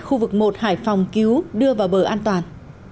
khu vực một hải phòng cứu đưa vào bờ an toàn